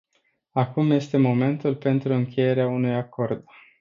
Acum este momentul pentru încheierea unui acord.